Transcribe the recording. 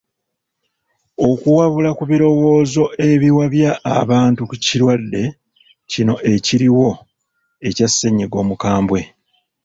Okuwabula ku birowoozo ebiwabya abantu ku kirwadde kino ekiriwo ekya ssennyiga omukambwe.